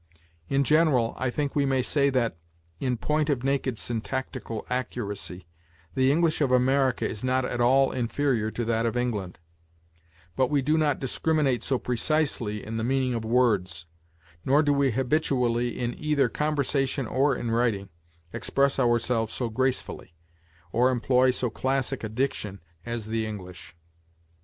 In general, I think we may say that, in point of naked syntactical accuracy, the English of America is not at all inferior to that of England; but we do not discriminate so precisely in the meaning of words, nor do we habitually, in either conversation or in writing, express ourselves so gracefully, or employ so classic a diction, as the English.